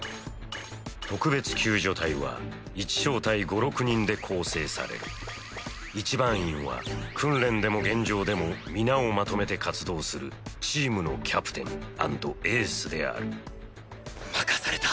特別救助隊は１小隊５６人で構成される「一番員」は訓練でも現場でも皆をまとめて活動するチームのキャプテン＆エースである任された。